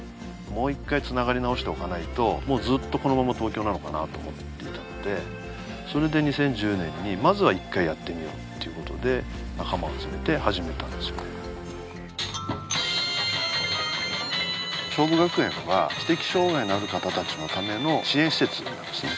もう一回つながり直しておかないともうずっとこのまま東京なのかなと思っていたのでそれで２０１０年にまずは１回やってみようっていうことで仲間を集めて始めたんですよねしょうぶ学園とは知的障害のある方達のための支援施設なんですね